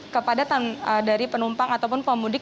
kepadatan dari penumpang ataupun pemudik